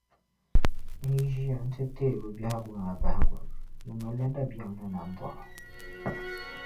N yi ʒiya nti teei bɛ biɛhigu maa bahigu, di malila dabiɛm ni nambɔɣu.